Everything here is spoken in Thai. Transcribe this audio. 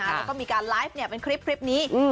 แล้วก็มีการไลฟ์เนี่ยเป็นคลิปนี้อืม